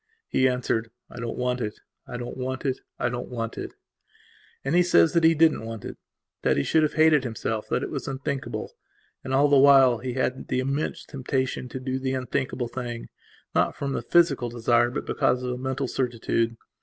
He answered: "I don't want it; I don't want it; I don't want it." And he says that he didn't want it; that he would have hated himself; that it was unthinkable. And all the while he had the immense temptation to do the unthinkable thing, not from the physical desire but because of a mental certitude.